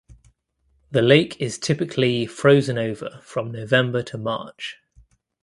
The lake is typically frozen over from November to March.